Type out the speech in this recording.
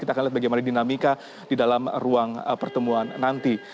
kita akan lihat bagaimana dinamika di dalam ruang pertemuan nanti